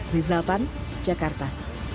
rizal tan jakarta